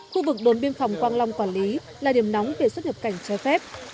khu vực đồn biên phòng quang long quản lý là điểm nóng về xuất nhập cảnh trái phép